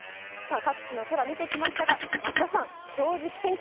各地の空、見てきましたが増田さん「正直天気」